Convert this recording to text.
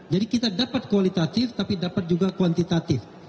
jadi kita dapat kualitatif tapi dapat juga kuantitatif